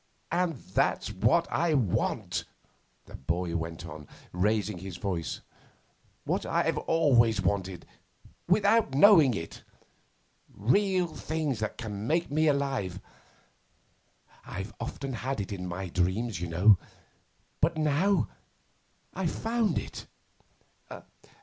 'And that's what I want,' the boy went on, raising his voice; 'what I've always wanted without knowing it real things that can make me alive. I've often had it in my dreams, you know, but now I've found it.